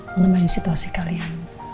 mengenai situasi kalian